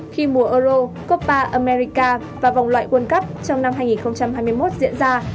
khi mùa euro copa america và vòng loại world cup trong năm hai nghìn hai mươi một diễn ra